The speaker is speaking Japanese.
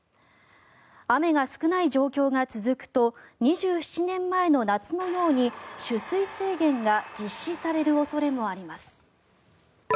雨が少ない状況が続くと２７年前の夏のように取水制限が実施される恐れもあります。